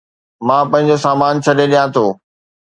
مان پنهنجو سامان ڇڏي ڏيان ٿو